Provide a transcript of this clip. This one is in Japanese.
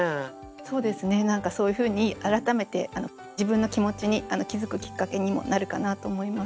そうですね何かそういうふうに改めて自分の気持ちに気付くきっかけにもなるかなと思います。